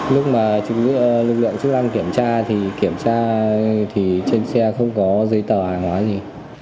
lúc mà lực lượng chức năng kiểm tra thì kiểm tra thì trên xe không có giấy tờ hàng hóa gì